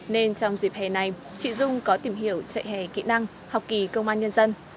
nên trong dịp hè này chị dung có tìm hiểu trại hè kỹ năng học kỳ công an nhân dân